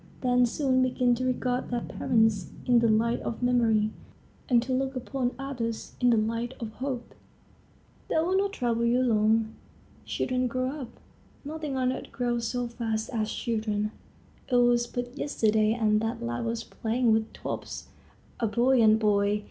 They soon begin to regard their parents in the light of memory and to look upon others in the light of hope." They will not trouble you long. Children grow up; nothing on earth grows so fast as children. It was but yesterday and that lad was playing with tops, a buoyant boy.